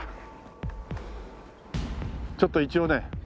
ちょっと一応ね